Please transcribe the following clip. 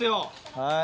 はい。